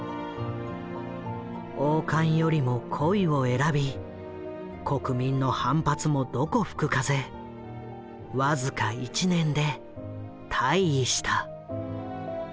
王冠よりも恋を選び国民の反発もどこ吹く風僅か１年で退位した。